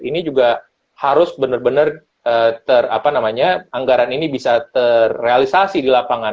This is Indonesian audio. ini juga harus benar benar ter apa namanya anggaran ini bisa terrealisasi di lapangan